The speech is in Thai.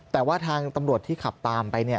แต่ว่าทางตำรวจที่ขับตามไป